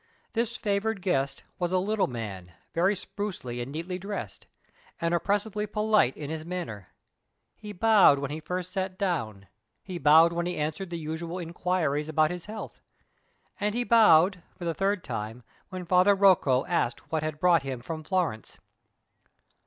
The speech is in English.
This favored guest was a little man, very sprucely and neatly dressed, and oppressively polite in his manner. He bowed when he first sat down, he bowed when he answered the usual inquiries about his health, and he bowed, for the third time, when Father Rocco asked what had brought him from Florence.